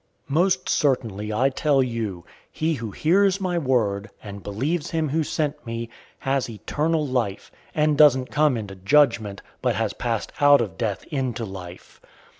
005:024 "Most certainly I tell you, he who hears my word, and believes him who sent me, has eternal life, and doesn't come into judgment, but has passed out of death into life.